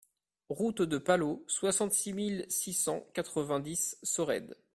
Route de Palau, soixante-six mille six cent quatre-vingt-dix Sorède